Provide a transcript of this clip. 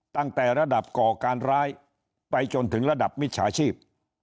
ตั้งแต่ระดับก่อการร้ายไปจนถึงระดับมิจฉาชีพ